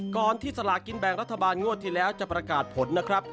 ที่สลากินแบ่งรัฐบาลงวดที่แล้วจะประกาศผลนะครับ